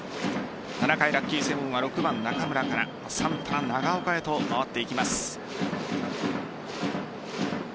７回、ラッキーセブンは６番・中村からサンタナ、長岡へと回っていきます。